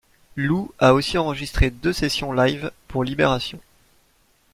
Lou a aussi enregistré deux sessions live pour Libération.